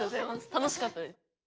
楽しかったです。